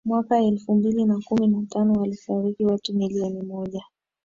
mwaka elfu mbili na kumi na tano walifariki watu milioni moja